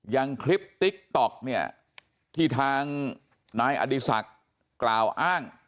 อย่างคลิปติ๊กต๊อกเนี่ยที่ทางนายอดีศักดิ์กล่าวอ้าง